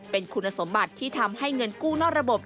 เป็นคุณสมบัติที่ทำให้เงินกู้นอกระบบ